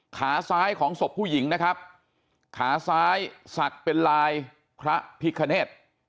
ขาซ้ายของศพผู้หญิงนะครับขาซ้ายศักดิ์เป็นลายพระพิคเนธ